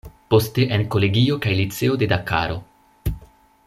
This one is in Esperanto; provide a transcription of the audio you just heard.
Poste en kolegio kaj liceo de Dakaro.